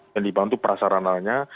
yang dibangun itu prasarananya